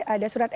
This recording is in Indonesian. ada surat eda